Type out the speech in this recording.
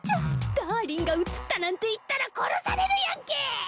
ダーリンが映ったなんて言ったら殺されるやんけ！